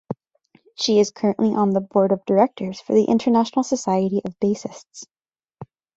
She is currently on the Board of Directors for the International Society of Bassists.